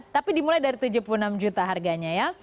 tapi dimulai dari tujuh puluh enam juta harganya ya